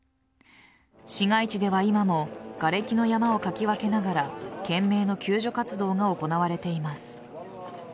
市街地では、今もがれきの山をかき分けながら懸命の救助活動が行われています。